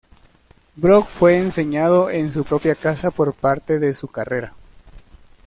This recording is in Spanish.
Brock fue enseñado en su propia casa por parte de su carrera.